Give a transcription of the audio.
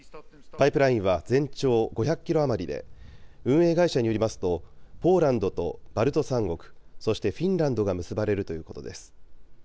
パイプラインは全長５００キロ余りで、運営会社によりますと、ポーランドとバルト３国、そしてフィンランドが結ばれるということです。